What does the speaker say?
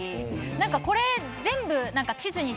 何かこれ全部。